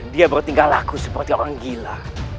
dia bertinggal laku seperti orang gila